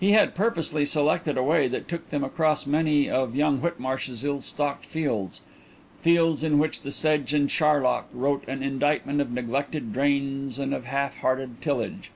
He had purposely selected a way that took them across many of young Whitmarsh's ill stocked fields, fields in which sedge and charlock wrote an indictment of neglected drains and half hearted tillage.